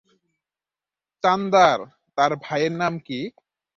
চান্দার, তার ভাইয়ের নাম কী?